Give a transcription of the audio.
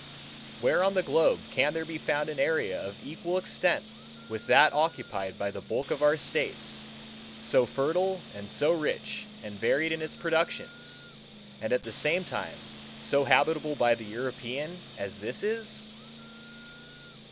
Where on the globe can there be found an area of equal extent with that occupied by the bulk of our States, so fertile and so rich and varied in its productions, and at the same time so habitable by the European, as this is?